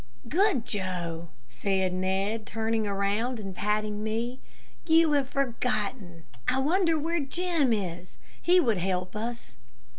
"Good Joe," said Ned, turning around and patting me, "you have forgotten. I wonder where Jim is? He would help us."